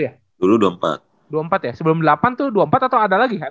iya dulu dua puluh empat ya sebelum delapan tuh dua puluh empat atau ada lagi